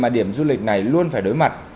du lịch này luôn phải đối mặt